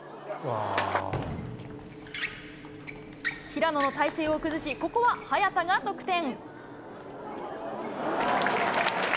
平野の体勢を崩し、ここは早田が得点。